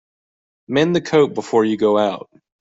Mend the coat before you go out.